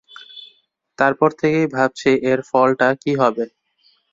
তার পর থেকেই ভাবছি এর ফলটা কী হবে।